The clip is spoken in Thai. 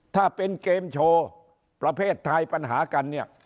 ถ้าเป็นเกมโชว์ประเภททายปัญหากันเนี่ย